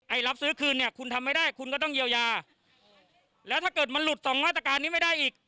รับซื้อคืนเนี่ยคุณทำไม่ได้คุณก็ต้องเยียวยาแล้วถ้าเกิดมันหลุดสองมาตรการนี้ไม่ได้อีก